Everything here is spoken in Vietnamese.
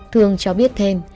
thương cho biết thêm